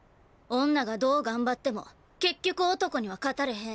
女がどう頑張っても結局男には勝たれへん。